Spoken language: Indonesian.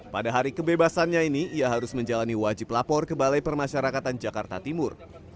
pada hari kebebasannya ini ia harus menjalani wajib lapor ke balai permasyarakatan jakarta timur